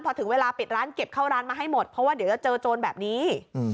พอถึงเวลาปิดร้านเก็บเข้าร้านมาให้หมดเพราะว่าเดี๋ยวจะเจอโจรแบบนี้